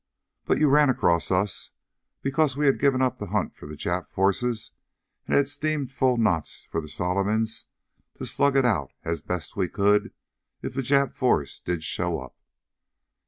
But you ran across us because we had given up the hunt for the Jap force and had steamed full knots for the Solomons to slug it out as best we could if the Jap force did show up.